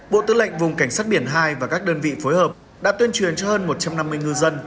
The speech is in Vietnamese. bộ tư lệnh vùng cảnh sát biển hai và các đơn vị phối hợp đã tuyên truyền cho hơn một trăm năm mươi ngư dân